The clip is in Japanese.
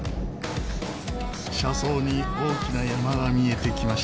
車窓に大きな山が見えてきました。